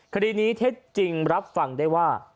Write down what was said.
คดีนี้เท็จจริงรับฟังได้ว่า